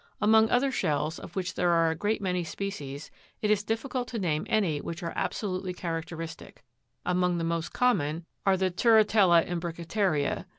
Among other shells, of which there are a great many species, it is difficult to name any which are absolutely characteristic ; among the most common are the Turrite'lla imbrica ta'ria (Jig.